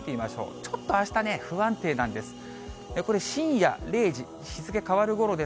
ちょっとあしたね、不安定なんです。